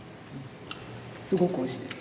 すごくおいしいです。